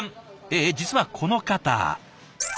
え実はこの方。